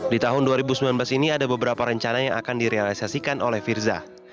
di tahun dua ribu sembilan belas ini ada beberapa rencana yang akan direalisasikan oleh firza